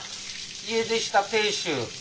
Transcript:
家出した亭主。